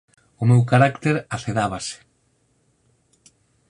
O meu carácter acedábase.